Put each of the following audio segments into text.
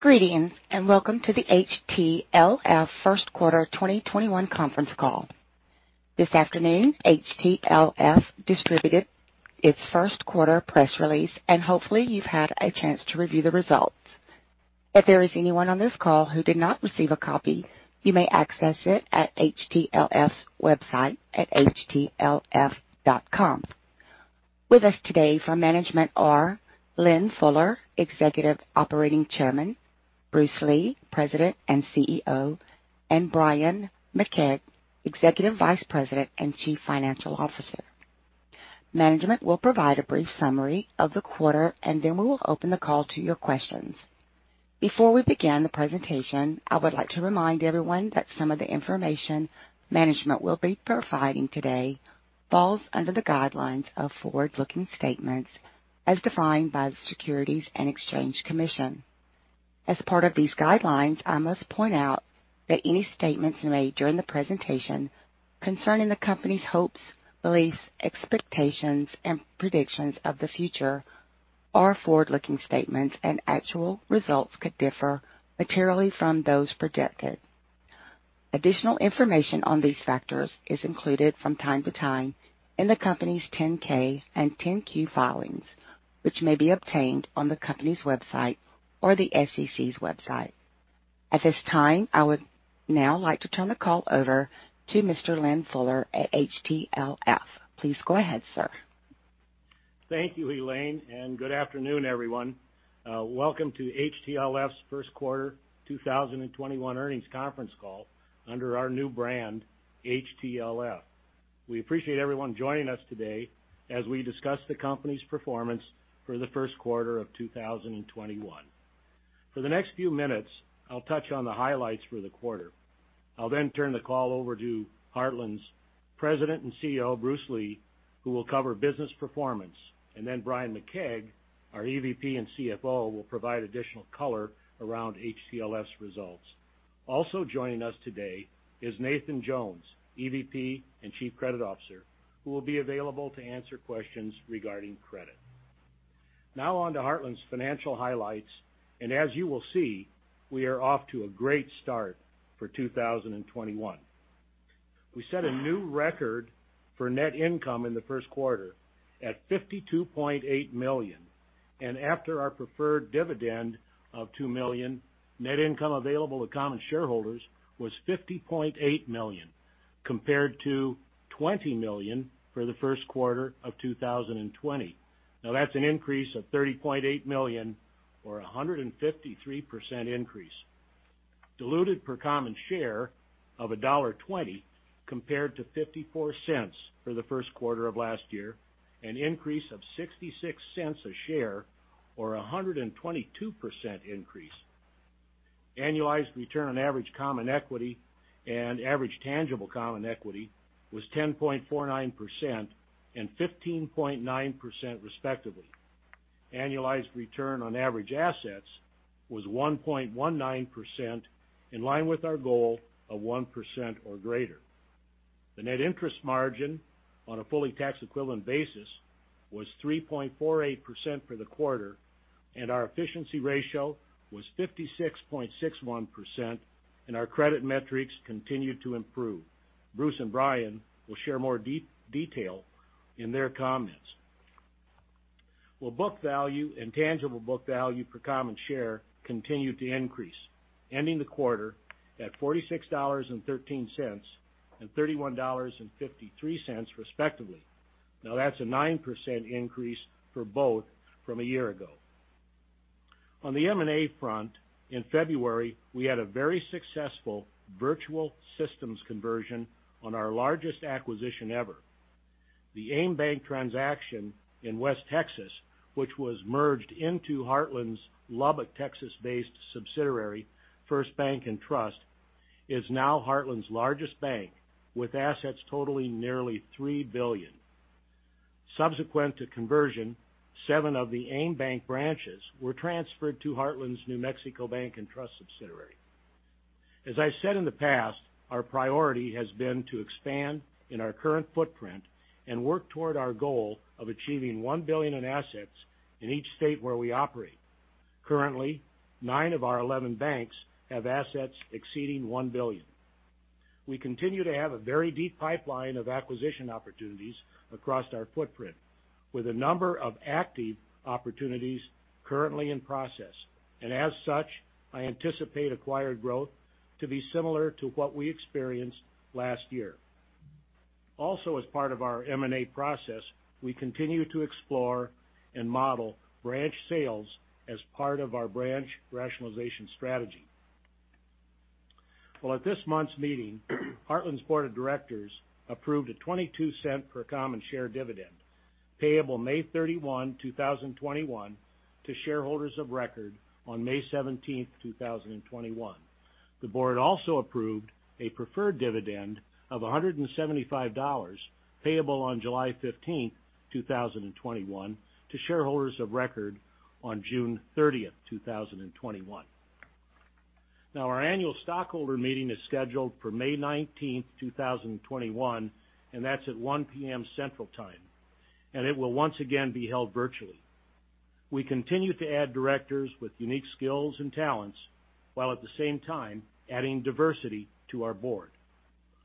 Greetings, and welcome to the HTLF first quarter 2021 conference call. This afternoon, HTLF distributed its first quarter press release, and hopefully, you've had a chance to review the results. If there is anyone on this call who did not receive a copy, you may access it at HTLF's website at htlf.com. With us today from management are Lynn Fuller, Executive Operating Chairman, Bruce Lee, President and CEO, and Bryan McKeag, Executive Vice President and Chief Financial Officer. Management will provide a brief summary of the quarter, and then we will open the call to your questions. Before we begin the presentation, I would like to remind everyone that some of the information management will be providing today falls under the guidelines of forward-looking statements as defined by the Securities and Exchange Commission. As part of these guidelines, I must point out that any statements made during the presentation concerning the company's hopes, beliefs, expectations, and predictions of the future are forward-looking statements, and actual results could differ materially from those projected. Additional information on these factors is included from time to time in the company's 10-K and 10-Q filings, which may be obtained on the company's website or the SEC's website. At this time, I would now like to turn the call over to Mr. Lynn Fuller at HTLF. Please go ahead, sir. Thank you, Elaine. Good afternoon, everyone. Welcome to HTLF's first quarter 2021 earnings conference call under our new brand, HTLF. We appreciate everyone joining us today as we discuss the company's performance for the first quarter of 2021. For the next few minutes, I'll touch on the highlights for the quarter. I'll turn the call over to Heartland's President and CEO, Bruce Lee, who will cover business performance. Bryan McKeag, our EVP and CFO, will provide additional color around HTLF's results. Also joining us today is Nathan Jones, EVP and Chief Credit Officer, who will be available to answer questions regarding credit. On to Heartland's financial highlights. As you will see, we are off to a great start for 2021. We set a new record for net income in the first quarter at $52.8 million, and after our preferred dividend of $2 million, net income available to common shareholders was $50.8 million compared to $20 million for the first quarter of 2020. Now, that's an increase of $30.8 million or 153% increase. Diluted per common share of $1.20 compared to $0.54 for the first quarter of last year, an increase of $0.66 a share or 122% increase. Annualized return on average common equity and average tangible common equity was 10.49% and 15.9% respectively. Annualized return on average assets was 1.19%, in line with our goal of 1% or greater. The net interest margin on a fully tax-equivalent basis was 3.48% for the quarter, and our efficiency ratio was 56.61%, and our credit metrics continued to improve. Bruce and Bryan will share more detail in their comments. Book value and tangible book value per common share continued to increase, ending the quarter at $46.13 and $31.53 respectively. That's a 9% increase for both from a year ago. On the M&A front, in February, we had a very successful virtual systems conversion on our largest acquisition ever. The AimBank transaction in West Texas, which was merged into Heartland's Lubbock, Texas-based subsidiary, FirstBank & Trust, is now Heartland's largest bank, with assets totaling nearly $3 billion. Subsequent to conversion, seven of the AimBank branches were transferred to Heartland's New Mexico Bank & Trust subsidiary. As I said in the past, our priority has been to expand in our current footprint and work toward our goal of achieving $1 billion in assets in each state where we operate. Currently, nine of our 11 banks have assets exceeding $1 billion. We continue to have a very deep pipeline of acquisition opportunities across our footprint, with a number of active opportunities currently in process. As such, I anticipate acquired growth to be similar to what we experienced last year. As part of our M&A process, we continue to explore and model branch sales as part of our branch rationalization strategy. At this month's meeting, Heartland's board of directors approved a $0.22 per common share dividend payable May 31, 2021, to shareholders of record on May 17th, 2021. The board also approved a preferred dividend of $175 payable on July 15th, 2021, to shareholders of record on June 30th, 2021. Our annual stockholder meeting is scheduled for May 19, 2021, and that's at 1:00 P.M. Central Time, and it will once again be held virtually. We continue to add directors with unique skills and talents, while at the same time adding diversity to our board.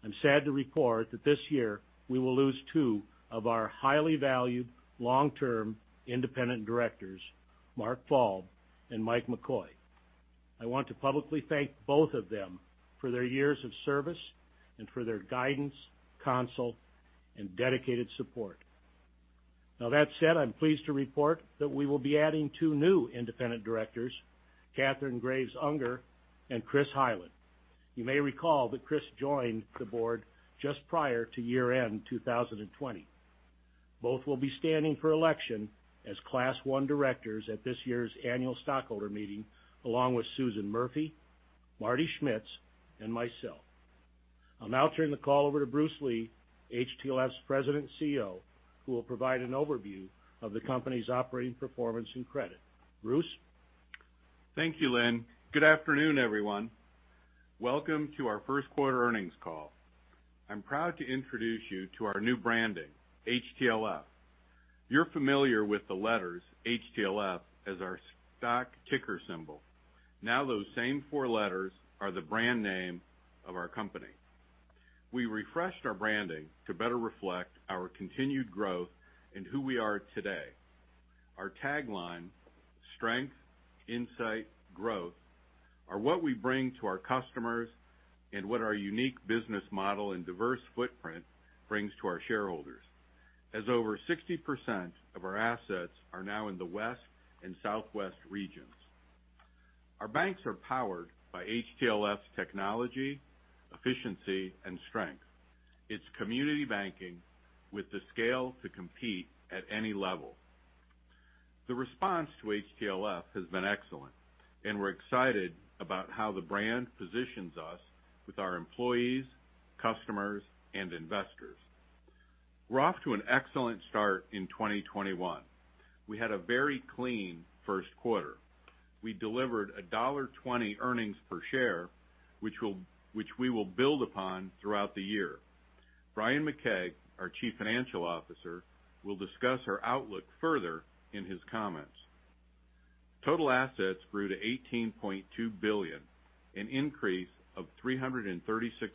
I'm sad to report that this year we will lose two of our highly valued long-term independent directors, Mark Falb and Mike McCoy. I want to publicly thank both of them for their years of service and for their guidance, counsel, and dedicated support. That said, I'm pleased to report that we will be adding two new independent directors, Kathryn Graves Unger and Christopher Hylen. You may recall that Chris joined the board just prior to year-end 2020. Both will be standing for election as Class 1 directors at this year's annual stockholder meeting, along with Susan Murphy, Martin Schmitz, and myself. I'll now turn the call over to Bruce Lee, HTLF's President and CEO, who will provide an overview of the company's operating performance and credit. Bruce? Thank you, Lynn. Good afternoon, everyone. Welcome to our first quarter earnings call. I'm proud to introduce you to our new branding, HTLF. You're familiar with the letters HTLF as our stock ticker symbol. Now those same four letters are the brand name of our company. We refreshed our branding to better reflect our continued growth and who we are today. Our tagline, Strength, Insight, Growth, are what we bring to our customers and what our unique business model and diverse footprint brings to our shareholders, as over 60% of our assets are now in the West and Southwest regions. Our banks are powered by HTLF's technology, efficiency, and strength. It's community banking with the scale to compete at any level. The response to HTLF has been excellent, and we're excited about how the brand positions us with our employees, customers, and investors. We're off to an excellent start in 2021. We had a very clean first quarter. We delivered a $1.20 earnings per share, which we will build upon throughout the year. Bryan McKeag, our Chief Financial Officer, will discuss our outlook further in his comments. Total assets grew to $18.2 billion, an increase of $336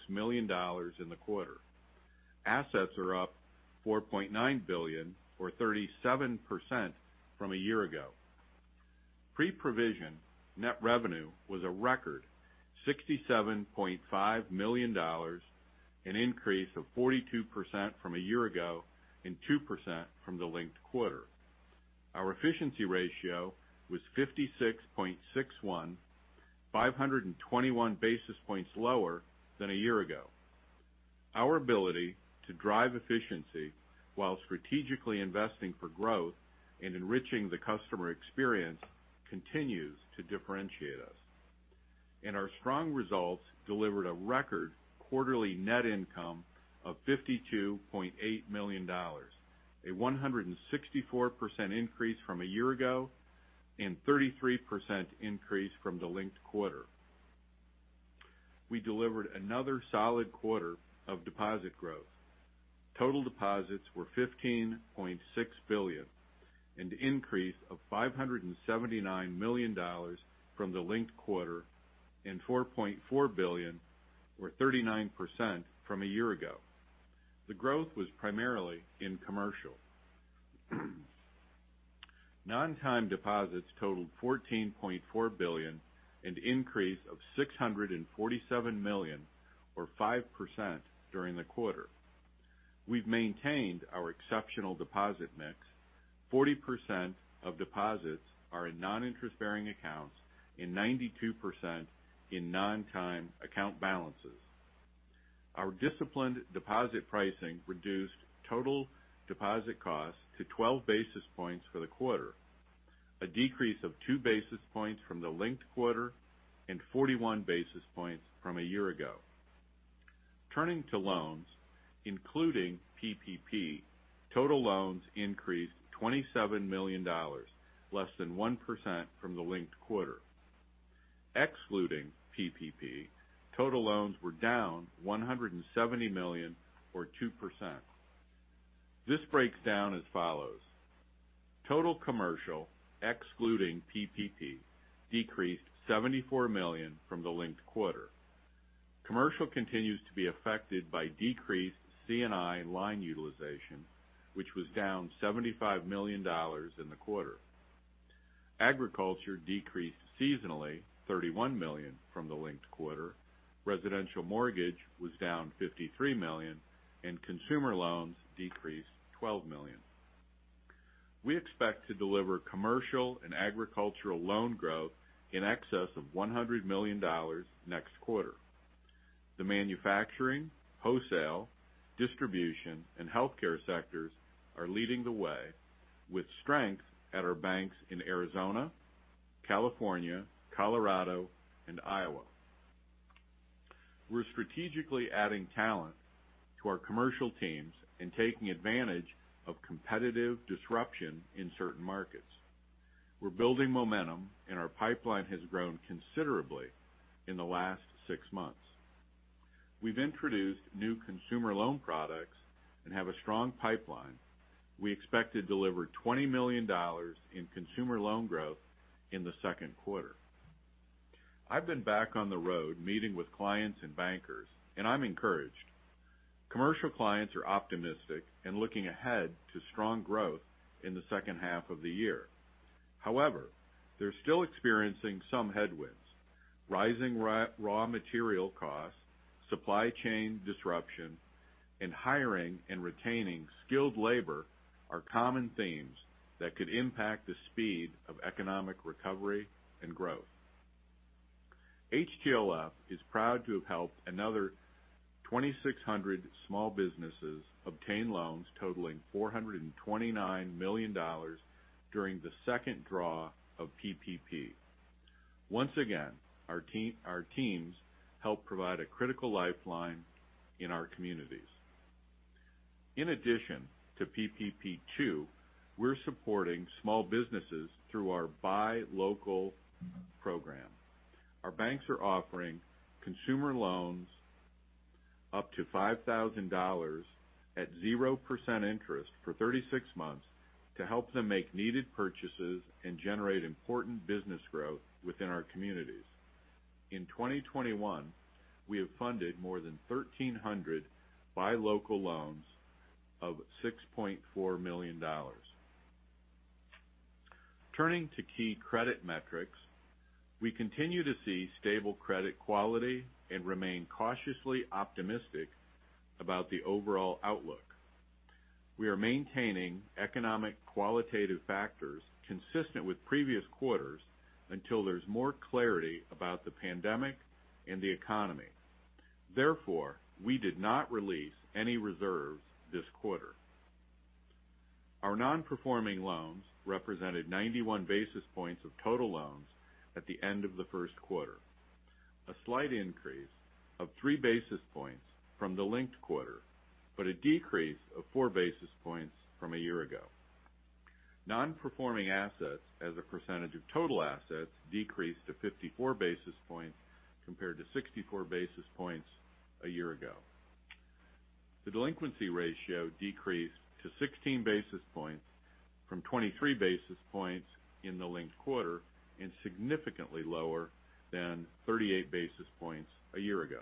million in the quarter. Assets are up $4.9 billion or 37% from a year-ago. Pre-provision net revenue was a record $67.5 million, an increase of 42% from a year-ago and 2% from the linked quarter. Our efficiency ratio was 56.61, 521 basis points lower than a year-ago. Our ability to drive efficiency while strategically investing for growth and enriching the customer experience continues to differentiate us. Our strong results delivered a record quarterly net income of $52.8 million, a 164% increase from a year-ago and 33% increase from the linked quarter. We delivered another solid quarter of deposit growth. Total deposits were $15.6 billion, an increase of $579 million from the linked quarter and $4.4 billion or 39% from a year ago. The growth was primarily in commercial. Non-time deposits totaled $14.4 billion, an increase of $647 million or 5% during the quarter. We've maintained our exceptional deposit mix. 40% of deposits are in non-interest-bearing accounts and 92% in non-time account balances. Our disciplined deposit pricing reduced total deposit costs to 12 basis points for the quarter, a decrease of two basis points from the linked quarter and 41 basis points from a year ago. Turning to loans, including PPP, total loans increased $27 million, less than 1% from the linked quarter. Excluding PPP, total loans were down $170 million or 2%. This breaks down as follows. Total commercial, excluding PPP, decreased $74 million from the linked quarter. Commercial continues to be affected by decreased C&I line utilization, which was down $75 million in the quarter. Agriculture decreased seasonally $31 million from the linked quarter. Residential mortgage was down $53 million and consumer loans decreased $12 million. We expect to deliver commercial and agricultural loan growth in excess of $100 million next quarter. The manufacturing, wholesale, distribution, and healthcare sectors are leading the way with strength at our banks in Arizona, California, Colorado, and Iowa. We're strategically adding talent to our commercial teams and taking advantage of competitive disruption in certain markets. We're building momentum, and our pipeline has grown considerably in the last six months. We've introduced new consumer loan products and have a strong pipeline. We expect to deliver $20 million in consumer loan growth in the second quarter. I've been back on the road meeting with clients and bankers, and I'm encouraged. Commercial clients are optimistic and looking ahead to strong growth in the second half of the year. They're still experiencing some headwinds. Rising raw material costs, supply chain disruption, and hiring and retaining skilled labor are common themes that could impact the speed of economic recovery and growth. HTLF is proud to have helped another 2,600 small businesses obtain loans totaling $429 million during the second draw of PPP. Once again, our teams helped provide a critical lifeline in our communities. In addition to PPP2, we're supporting small businesses through our Buy Local program. Our banks are offering consumer loans up to $5,000 at 0% interest for 36 months to help them make needed purchases and generate important business growth within our communities. In 2021, we have funded more than 1,300 Buy Local loans of $6.4 million. Turning to key credit metrics, we continue to see stable credit quality and remain cautiously optimistic about the overall outlook. We are maintaining economic qualitative factors consistent with previous quarters until there's more clarity about the pandemic and the economy. Therefore, we did not release any reserves this quarter. Our non-performing loans represented 91 basis points of total loans at the end of the first quarter, a slight increase of three basis points from the linked quarter, but a decrease of four basis points from a year ago. Non-performing assets as a percentage of total assets decreased to 54 basis points compared to 64 basis points a year ago. The delinquency ratio decreased to 16 basis points from 23 basis points in the linked quarter and significantly lower than 38 basis points a year ago.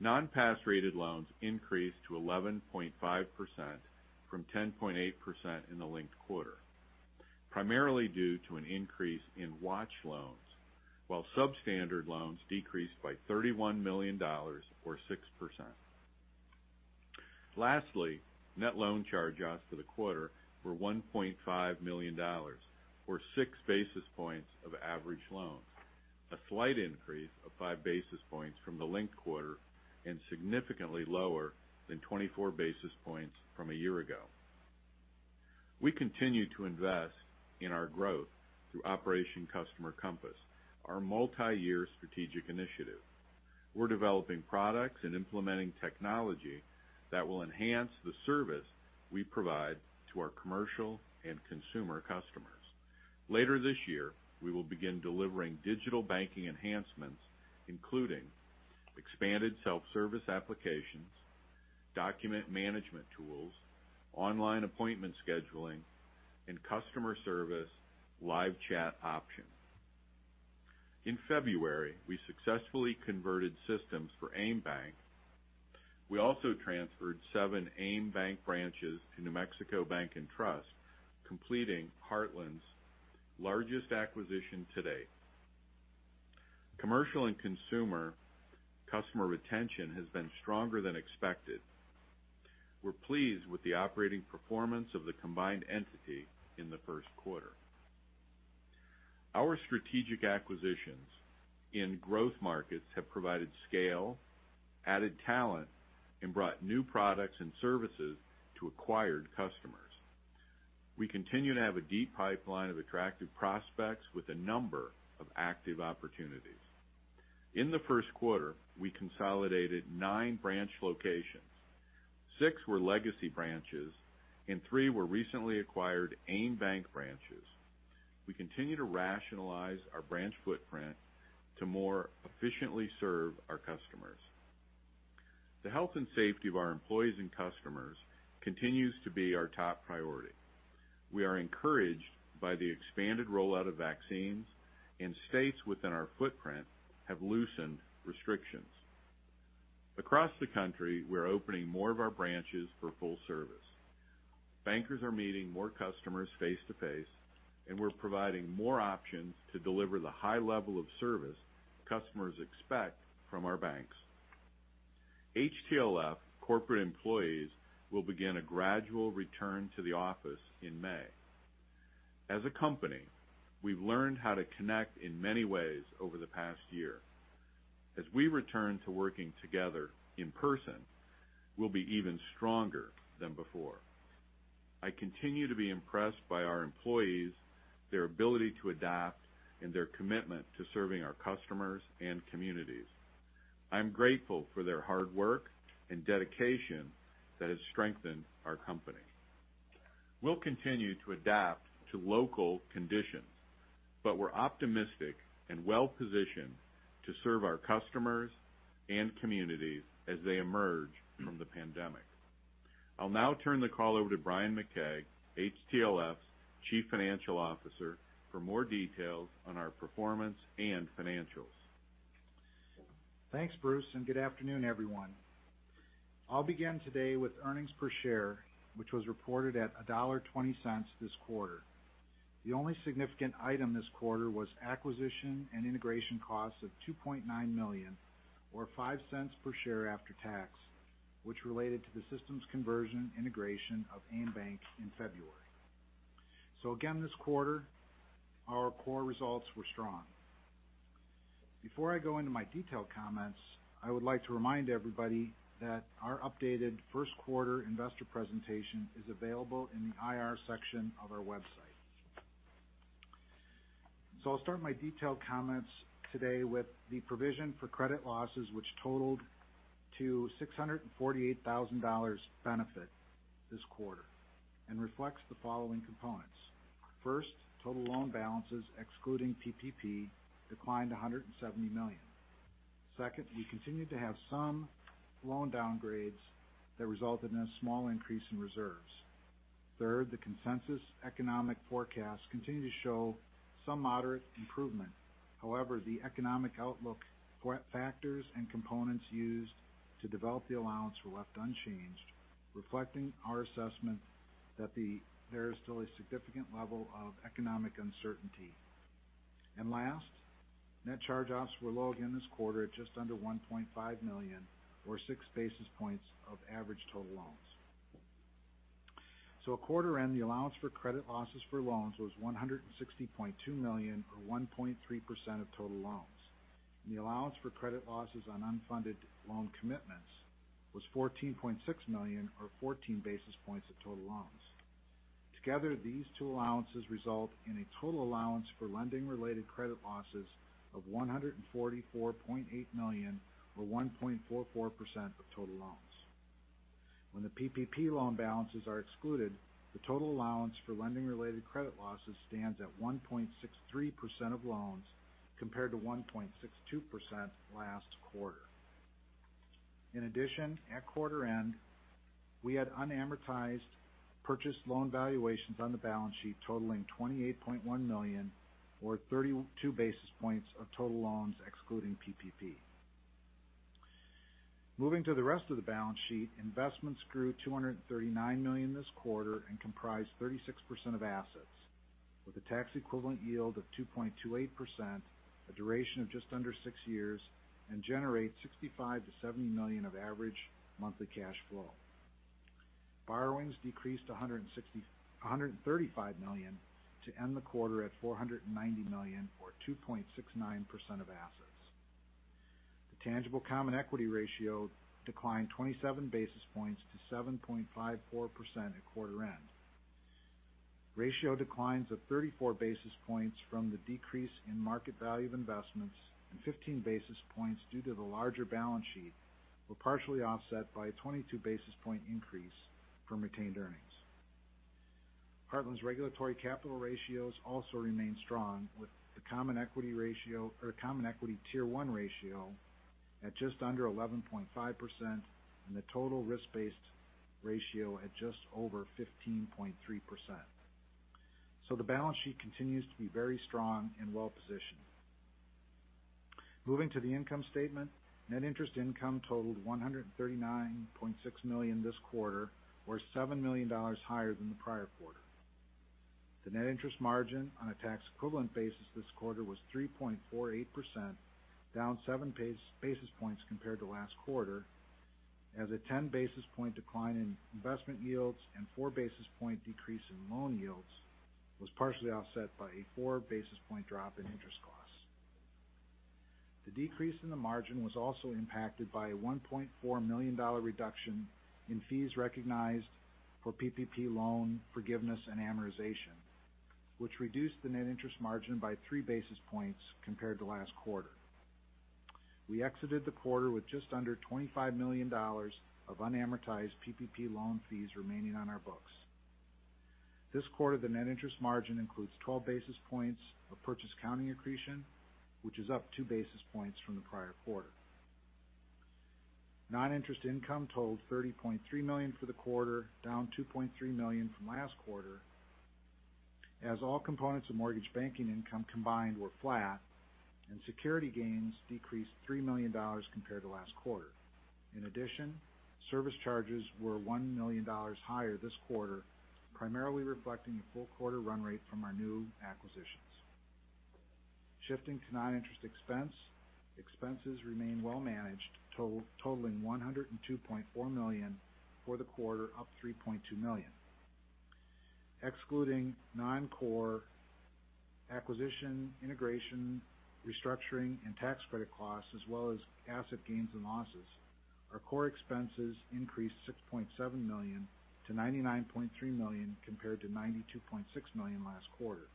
Non-pass rated loans increased to 11.5% from 10.8% in the linked quarter, primarily due to an increase in watch loans, while substandard loans decreased by $31 million, or 6%. Lastly, net loan charge-offs for the quarter were $1.5 million, or six basis points of average loans, a slight increase of five basis points from the linked quarter, and significantly lower than 24 basis points from a year ago. We continue to invest in our growth through Operation Customer Compass, our multi-year strategic initiative. We're developing products and implementing technology that will enhance the service we provide to our commercial and consumer customers. Later this year, we will begin delivering digital banking enhancements, including expanded self-service applications, document management tools, online appointment scheduling, and customer service live chat options. In February, we successfully converted systems for AimBank. We also transferred seven AimBank branches to New Mexico Bank & Trust, completing Heartland's largest acquisition to date. Commercial and consumer customer retention has been stronger than expected. We're pleased with the operating performance of the combined entity in the first quarter. Our strategic acquisitions in growth markets have provided scale, added talent, and brought new products and services to acquired customers. We continue to have a deep pipeline of attractive prospects with a number of active opportunities. In the first quarter, we consolidated nine branch locations. Six were legacy branches and three were recently acquired AimBank branches. We continue to rationalize our branch footprint to more efficiently serve our customers. The health and safety of our employees and customers continues to be our top priority. We are encouraged by the expanded rollout of vaccines. States within our footprint have loosened restrictions. Across the country, we're opening more of our branches for full service. Bankers are meeting more customers face-to-face, and we're providing more options to deliver the high level of service customers expect from our banks. HTLF corporate employees will begin a gradual return to the office in May. As a company, we've learned how to connect in many ways over the past year. As we return to working together in person, we'll be even stronger than before. I continue to be impressed by our employees, their ability to adapt, and their commitment to serving our customers and communities. I'm grateful for their hard work and dedication that has strengthened our company. We'll continue to adapt to local conditions, but we're optimistic and well-positioned to serve our customers and communities as they emerge from the pandemic. I'll now turn the call over to Bryan McKeag, HTLF's Chief Financial Officer, for more details on our performance and financials. Thanks, Bruce. Good afternoon, everyone. I'll begin today with earnings per share, which was reported at $1.20 this quarter. The only significant item this quarter was acquisition and integration costs of $2.9 million, or $0.05 per share after tax, which related to the systems conversion integration of AimBank in February. Again this quarter, our core results were strong. Before I go into my detailed comments, I would like to remind everybody that our updated first quarter investor presentation is available in the IR section of our website. I'll start my detailed comments today with the provision for credit losses, which totaled to $648,000 benefit this quarter and reflects the following components. First, total loan balances, excluding PPP, declined $170 million. Second, we continue to have some loan downgrades that resulted in a small increase in reserves. Third, the consensus economic forecast continued to show some moderate improvement. However, the economic outlook factors and components used to develop the allowance were left unchanged, reflecting our assessment that there is still a significant level of economic uncertainty. Last, net charge-offs were low again this quarter at just under $1.5 million, or six basis points of average total loans. At quarter end, the allowance for credit losses for loans was $160.2 million, or 1.3% of total loans. The allowance for credit losses on unfunded loan commitments was $14.6 million, or 14 basis points of total loans. Together, these two allowances result in a total allowance for lending-related credit losses of $144.8 million, or 1.44% of total loans. When the PPP loan balances are excluded, the total allowance for lending-related credit losses stands at 1.63% of loans, compared to 1.62% last quarter. In addition, at quarter end, we had unamortized purchased loan valuations on the balance sheet totaling $28.1 million, or 32 basis points of total loans, excluding PPP. Moving to the rest of the balance sheet, investments grew $239 million this quarter and comprise 36% of assets, with a tax-equivalent yield of 2.28%, a duration of just under six years, and generates $65 million-$70 million of average monthly cash flow. Borrowings decreased $135 million to end the quarter at $490 million, or 2.69% of assets. The tangible common equity ratio declined 27 basis points to 7.54% at quarter end. Ratio declines of 34 basis points from the decrease in market value of investments and 15 basis points due to the larger balance sheet were partially offset by a 22 basis point increase from retained earnings. Heartland's regulatory capital ratios also remain strong, with the common equity tier one ratio at just under 11.5% and the total risk-based ratio at just over 15.3%. The balance sheet continues to be very strong and well-positioned. Moving to the income statement, net interest income totaled $139.6 million this quarter, or $7 million higher than the prior quarter. The net interest margin on a tax-equivalent basis this quarter was 3.48%, down 7 basis points compared to last quarter, as a 10 basis point decline in investment yields and 4 basis point decrease in loan yields was partially offset by a 4 basis point drop in interest costs. The decrease in the margin was also impacted by a $1.4 million reduction in fees recognized for PPP loan forgiveness and amortization, which reduced the net interest margin by 3 basis points compared to last quarter. We exited the quarter with just under $25 million of unamortized PPP loan fees remaining on our books. This quarter, the net interest margin includes 12 basis points of purchase accounting accretion, which is up 2 basis points from the prior quarter. Non-interest income totaled $30.3 million for the quarter, down $2.3 million from last quarter, as all components of mortgage banking income combined were flat, and security gains decreased $3 million compared to last quarter. Service charges were $1 million higher this quarter, primarily reflecting a full quarter run rate from our new acquisitions. Shifting to non-interest expense, expenses remain well managed, totaling $102.4 million for the quarter, up $3.2 million. Excluding non-core acquisition, integration, restructuring, and tax credit costs, as well as asset gains and losses, our core expenses increased $6.7 million to $99.3 million compared to $92.6 million last quarter.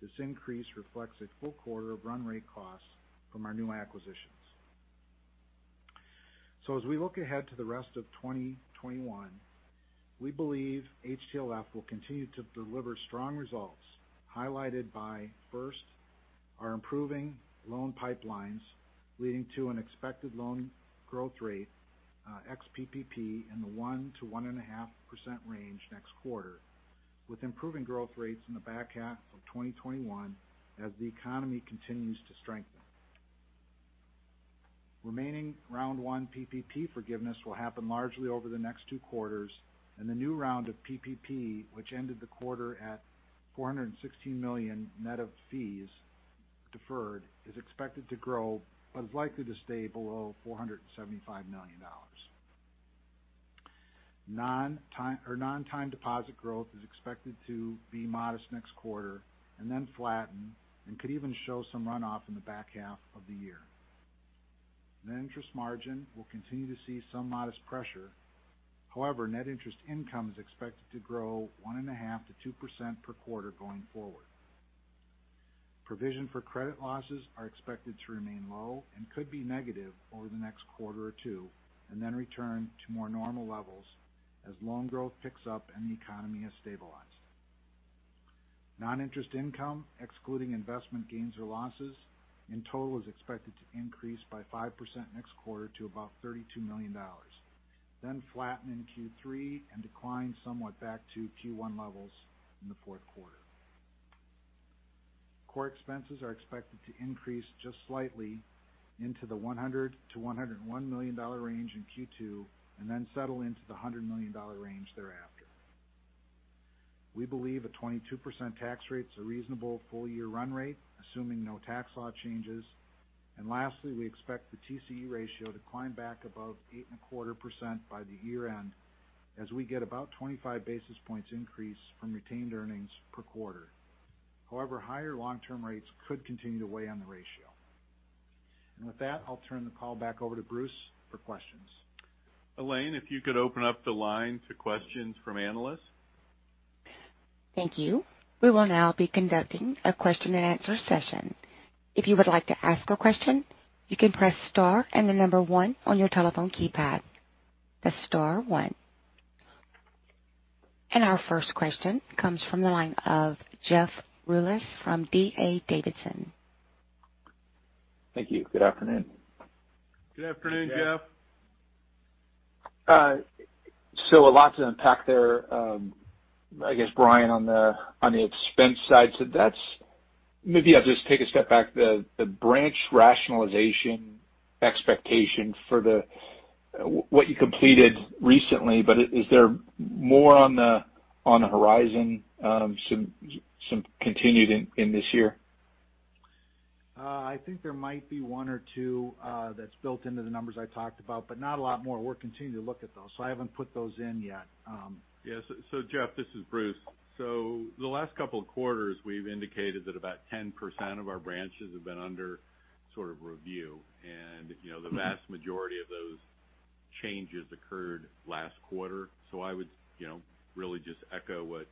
This increase reflects a full quarter of run rate costs from our new acquisitions. As we look ahead to the rest of 2021, we believe HTLF will continue to deliver strong results, highlighted by, first, our improving loan pipelines leading to an expected loan growth rate ex PPP in the 1%-1.5% range next quarter, with improving growth rates in the back half of 2021 as the economy continues to strengthen. Remaining round one PPP forgiveness will happen largely over the next two quarters, and the new round of PPP, which ended the quarter at $416 million net of fees deferred, is expected to grow, but is likely to stay below $475 million. Non-time deposit growth is expected to be modest next quarter and then flatten and could even show some runoff in the back half of the year. Net interest margin will continue to see some modest pressure. However, net interest income is expected to grow 1.5%-2% per quarter going forward. Provision for credit losses are expected to remain low and could be negative over the next quarter or two, and then return to more normal levels as loan growth picks up and the economy has stabilized. Non-interest income, excluding investment gains or losses, in total, is expected to increase by 5% next quarter to about $32 million, then flatten in Q3 and decline somewhat back to Q1 levels in the fourth quarter. Core expenses are expected to increase just slightly into the $100 million-$101 million range in Q2, and then settle into the $100 million range thereafter. We believe a 22% tax rate is a reasonable full-year run rate, assuming no tax law changes. Lastly, we expect the TCE ratio to climb back above 8.25% by the year-end, as we get about 25 basis points increase from retained earnings per quarter. However, higher long-term rates could continue to weigh on the ratio. With that, I'll turn the call back over to Bruce for questions. Elaine, if you could open up the line to questions from analysts. Thank you. We will now be conducting a question and answer session. If you would like to ask a question, you can press star and the number one on your telephone keypad. Press star one. Our first question comes from the line of Jeff Rulis from D.A. Davidson. Thank you. Good afternoon. Good afternoon, Jeff. A lot to unpack there. I guess, Bryan, on the expense side. Maybe I'll just take a step back. The branch rationalization expectation for what you completed recently, but is there more on the horizon, some continued in this year? I think there might be one or two that's built into the numbers I talked about, but not a lot more. We're continuing to look at those. I haven't put those in yet. Jeff, this is Bruce. The last couple of quarters, we've indicated that about 10% of our branches have been under sort of review. The vast majority of those changes occurred last quarter. I would really just echo what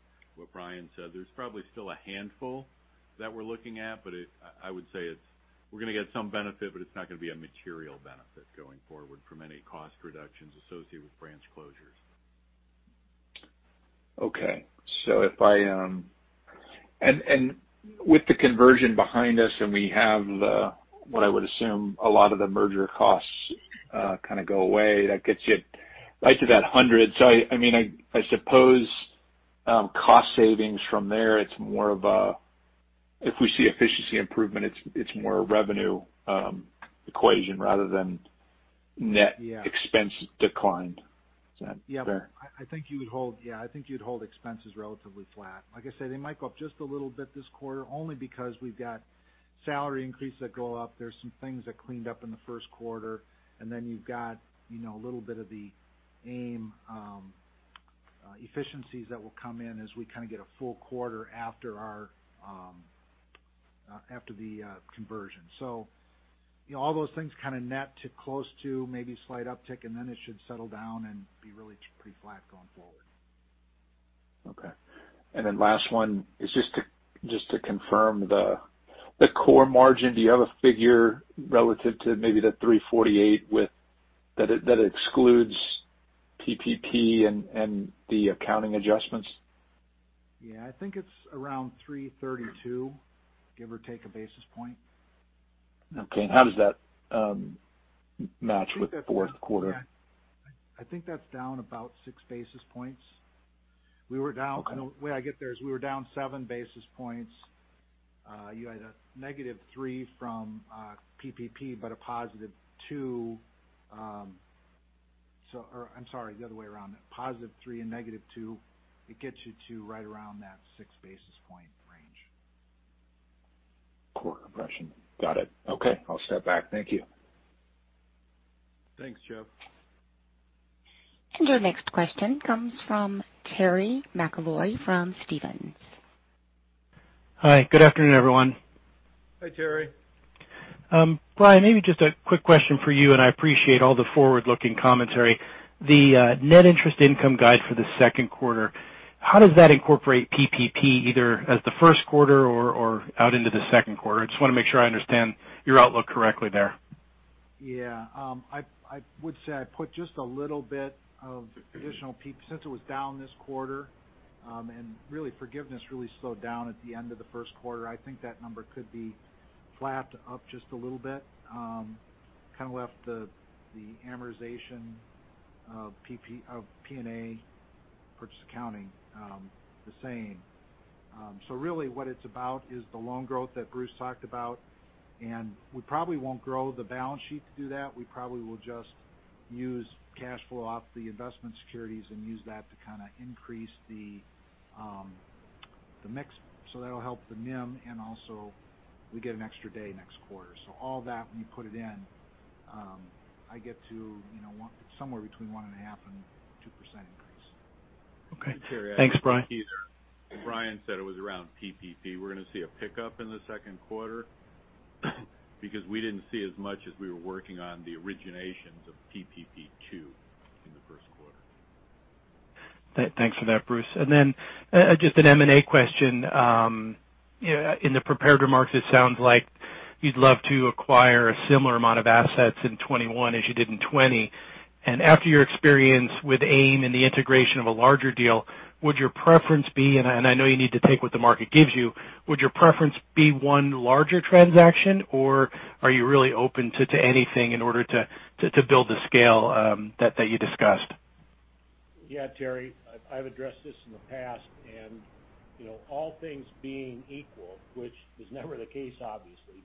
Bryan said. There's probably still a handful that we're looking at, but I would say we're going to get some benefit, but it's not going to be a material benefit going forward from any cost reductions associated with branch closures. Okay. With the conversion behind us and we have what I would assume a lot of the merger costs kind of go away. That gets you right to that 100. I suppose cost savings from there, if we see efficiency improvement, it's more a revenue equation rather than net expense decline. Is that fair? I think you'd hold expenses relatively flat. Like I say, they might go up just a little bit this quarter only because we've got salary increases that go up. There's some things that cleaned up in the first quarter, and then you've got a little bit of the AimBank efficiencies that will come in as we kind of get a full quarter after the conversion. All those things kind of net to close to maybe a slight uptick, and then it should settle down and be really pretty flat going forward. Okay. Last one is just to confirm the core margin. Do you have a figure relative to maybe the 3.48% that excludes PPP and the accounting adjustments? Yeah. I think it's around 3.32%, give or take a basis point. Okay. How does that match with the fourth quarter? I think that's down about 6 basis points. Okay. The way I get there is we were down 7 basis points. You had a -3 from PPP. I'm sorry, the other way around. +3 and -2, it gets you to right around that six basis point range. Core compression. Got it. Okay. I'll step back. Thank you. Thanks, Jeff. Your next question comes from Terry McEvoy from Stephens. Hi, good afternoon, everyone. Hi, Terry. Bryan, maybe just a quick question for you, and I appreciate all the forward-looking commentary. The net interest income guide for the second quarter, how does that incorporate PPP, either as the first quarter or out into the second quarter? I just want to make sure I understand your outlook correctly there. Yeah. I would say I put just a little bit of additional PPP, since it was down this quarter. Really forgiveness really slowed down at the end of the first quarter. I think that number could be flapped up just a little bit. Kind of left the amortization of P&A purchase accounting the same. Really what it's about is the loan growth that Bruce talked about, and we probably won't grow the balance sheet to do that. We probably will just use cash flow off the investment securities and use that to kind of increase the mix. That'll help the NIM and also we get an extra day next quarter. All that, when you put it in, I get to somewhere between 1.5% and 2% increase. Okay. Thanks, Bryan. As Bryan said, it was around PPP. We're going to see a pickup in the second quarter because we didn't see as much as we were working on the originations of PPP2 in the first quarter. Thanks for that, Bruce. Just an M&A question? In the prepared remarks, it sounds like you'd love to acquire a similar amount of assets in 2021 as you did in 2020. After your experience with AIM and the integration of a larger deal, would your preference be, and I know you need to take what the market gives you, would your preference be one larger transaction, or are you really open to anything in order to build the scale that you discussed? Yeah, Terry, I've addressed this in the past. All things being equal, which is never the case, obviously,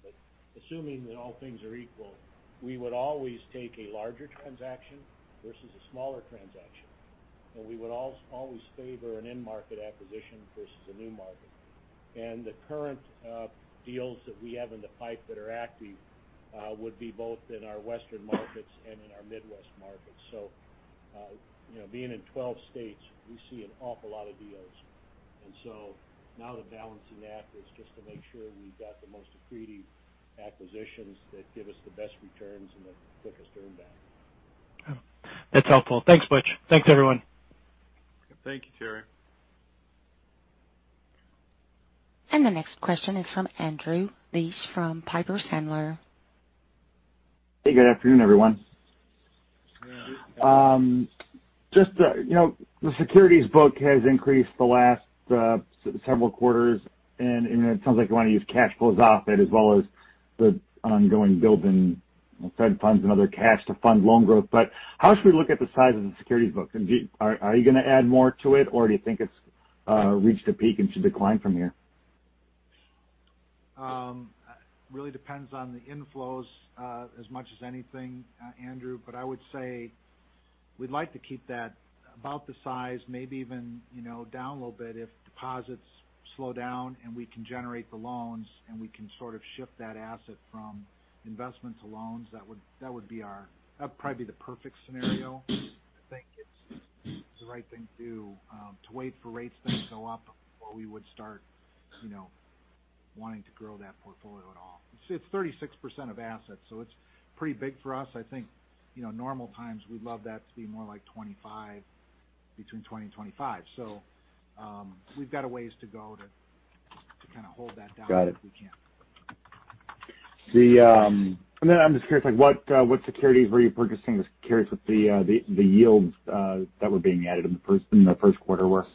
assuming that all things are equal, we would always take a larger transaction versus a smaller transaction. We would always favor an in-market acquisition versus a new market. The current deals that we have in the pipe that are active would be both in our Western markets and in our Midwest markets. Being in 12 states, we see an awful lot of deals. Now the balance in that is just to make sure we've got the most accretive acquisitions that give us the best returns and the quickest earn back. That's helpful. Thanks, Bruce. Thanks, everyone. Thank you, Terry. The next question is from Andrew Liesch from Piper Sandler. Hey, good afternoon, everyone. Yeah. The securities book has increased the last several quarters, and it sounds like you want to use cash flows off it as well as the ongoing build in Fed funds and other cash to fund loan growth. How should we look at the size of the securities book? Are you going to add more to it, or do you think it's reached a peak and should decline from here? Depends on the inflows as much as anything, Andrew. I would say we'd like to keep that about the size, maybe even down a little bit if deposits slow down and we can generate the loans and we can sort of shift that asset from investment to loans. That would probably be the perfect scenario. I think it's the right thing to do to wait for rates then to go up before we would start wanting to grow that portfolio at all. It's 36% of assets, it's pretty big for us. I think normal times we'd love that to be more like 25%, between 20% and 25%. We've got a ways to go to kind of hold that down. Got it. if we can. I'm just curious, what securities were you purchasing? Just curious what the yields that were being added in the first quarter were.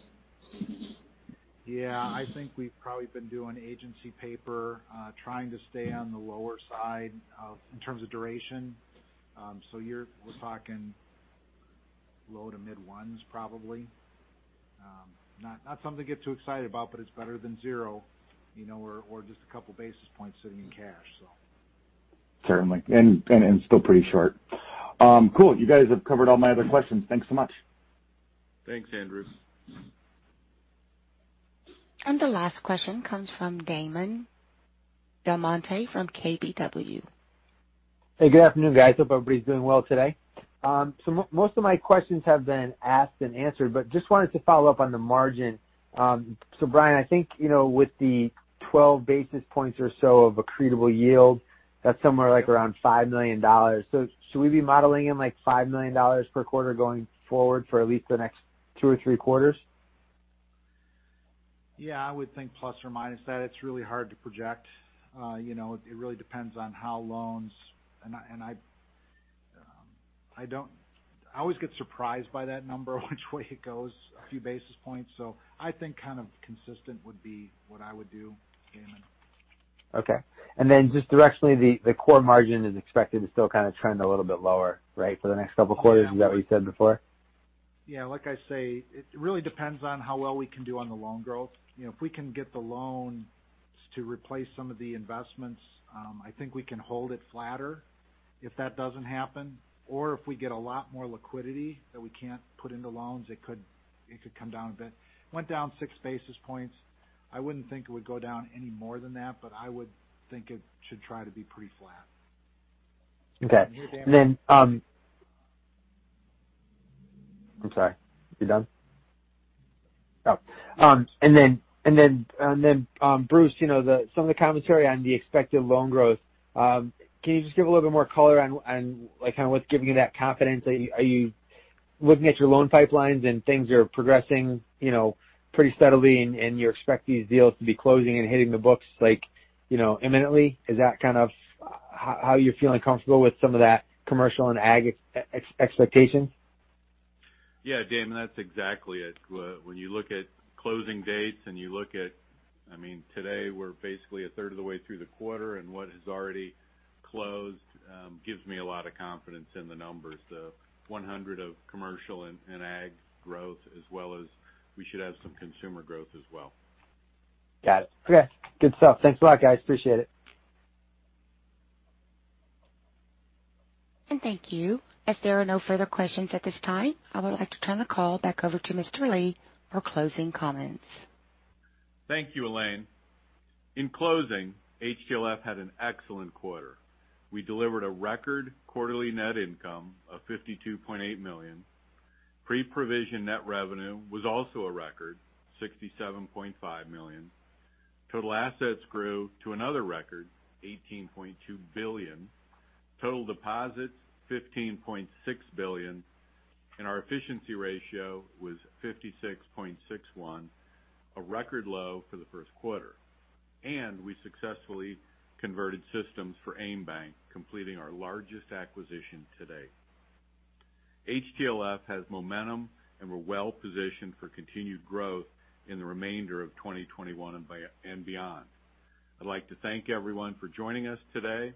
Yeah. I think we've probably been doing agency paper, trying to stay on the lower side in terms of duration. We're talking low to mid ones probably. Not something to get too excited about, but it's better than zero, or just a couple basis points sitting in cash. Certainly. Still pretty short. Cool. You guys have covered all my other questions. Thanks so much. Thanks, Andrew. The last question comes from Damon DelMonte from KBW. Hey, good afternoon, guys. Hope everybody's doing well today. Most of my questions have been asked and answered, but just wanted to follow up on the margin. Bryan, I think, with the 12 basis points or so of accretable yield, that's somewhere like around $5 million. Should we be modeling in like $5 million per quarter going forward for at least the next two or three quarters? Yeah, I would think plus or minus that. It's really hard to project. It really depends on how. I always get surprised by that number, which way it goes a few basis points. I think kind of consistent would be what I would do, Damon. Okay. Just directionally, the core margin is expected to still kind of trend a little bit lower, right, for the next couple of quarters? Is that what you said before? Yeah, like I say, it really depends on how well we can do on the loan growth. If we can get the loans to replace some of the investments, I think we can hold it flatter. If that doesn't happen, or if we get a lot more liquidity that we can't put into loans, it could come down a bit. Went down six basis points. I wouldn't think it would go down any more than that, but I would think it should try to be pretty flat. Okay. I'm sorry. You done? Oh. Bruce, some of the commentary on the expected loan growth, can you just give a little bit more color on kind of what's giving you that confidence? Are you looking at your loan pipelines and things are progressing pretty steadily and you expect these deals to be closing and hitting the books imminently? Is that kind of how you're feeling comfortable with some of that commercial and ag expectation? Yeah, Damon, that's exactly it. When you look at closing dates and today, we're basically a third of the way through the quarter, and what has already closed gives me a lot of confidence in the numbers. The 100 of commercial and ag growth as well as we should have some consumer growth as well. Got it. Okay. Good stuff. Thanks a lot, guys. Appreciate it. Thank you. As there are no further questions at this time, I would like to turn the call back over to Mr. Lee for closing comments. Thank you, Elaine. In closing, HTLF had an excellent quarter. We delivered a record quarterly net income of $52.8 million. Pre-provision net revenue was also a record $67.5 million. Total assets grew to another record $18.2 billion. Total deposits, $15.6 billion. Our efficiency ratio was 56.61%, a record low for the first quarter. We successfully converted systems for AimBank, completing our largest acquisition to date. HTLF has momentum, and we're well-positioned for continued growth in the remainder of 2021 and beyond. I'd like to thank everyone for joining us today.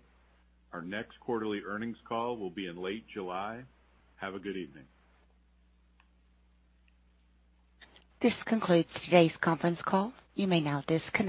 Our next quarterly earnings call will be in late July. Have a good evening. This concludes today's conference call. You may now disconnect.